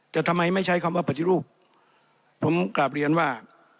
แต่ทำไมไม่ใช้คำว่าปฏิรูปผมกลับเรียนว่า